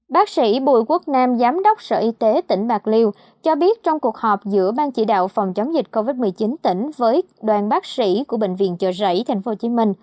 bác sĩ bùi quốc nam giám đốc sở y tế tỉnh bạc liêu cho biết trong cuộc họp giữa ban chỉ đạo phòng chống dịch covid một mươi chín tỉnh với đoàn bác sĩ của bệnh viện chợ rẫy tp hcm